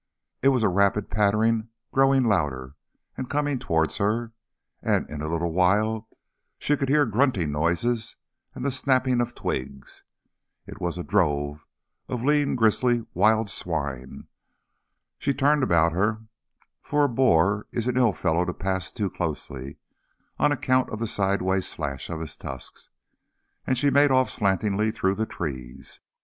It was a rapid pattering growing louder and coming towards her, and in a little while she could hear grunting noises and the snapping of twigs. It was a drove of lean grisly wild swine. She turned about her, for a boar is an ill fellow to pass too closely, on account of the sideway slash of his tusks, and she made off slantingly through the trees.